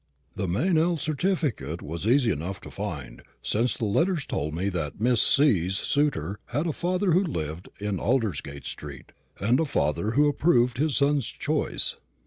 The Meynell certificate was easy enough to find, since the letters told me that Miss C.'s suitor had a father who lived in Aldersgate street, and a father who approved his son's choice.